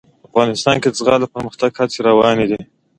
افغانستان کې د زغال د پرمختګ هڅې روانې دي.